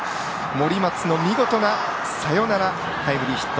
森松の見事なサヨナラタイムリーヒット。